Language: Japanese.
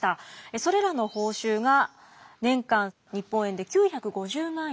それらの報酬が年間日本円で９５０万円になります。